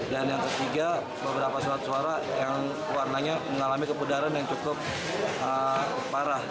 dan yang ketiga beberapa surat suara yang warnanya mengalami kepedaran yang cukup parah